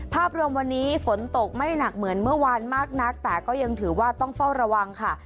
ภาพรวมวันนี้ฝนตกไม่หนักเหมือนเมื่อวานมากนักแต่ก็ยังถือว่าต้องเฝ้าระวังค่ะ